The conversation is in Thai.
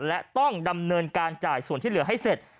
และต้องดำเนินการจ่ายส่วนที่เหลือให้เสร็จ